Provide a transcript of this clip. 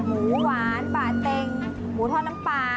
หมูหวานป่าเต็งหมูทอดน้ำปลา